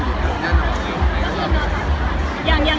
อย่างนี้ก็เอาแน่นอน